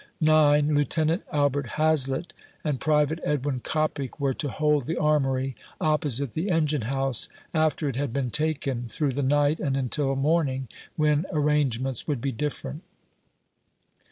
9. Lieutenant Albert Hazlett and Private Edwin Coppic were to hold the Armory opposite the engine house after it had been taken, through the night and until morning, when ar rangements would be different.